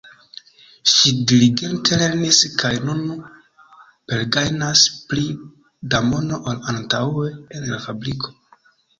Ŝi diligente lernis kaj nun pergajnas pli da mono ol antaŭe en la fabriko.